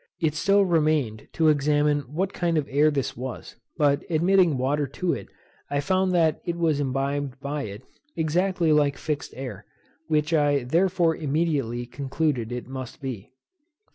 It still remained to examine what kind of air this was; but admitting water to it, I found that it was imbibed by it, exactly like fixed air, which I therefore immediately concluded it must be.